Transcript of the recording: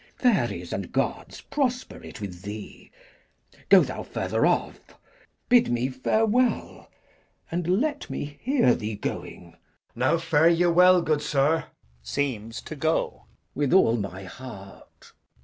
Fairies and gods Prosper it with thee! Go thou further off; Bid me farewell, and let me hear thee going. Edg. Now fare ye well, good sir. Glou. With all my heart.